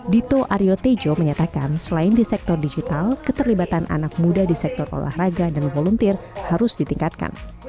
dito aryo tejo menyatakan selain di sektor digital keterlibatan anak muda di sektor olahraga dan volunteer harus ditingkatkan